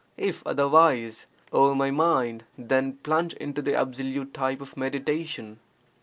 If otherwise, O my mind, then plunge into the absolute type of meditation.